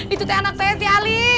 itu kayak anak saya si ali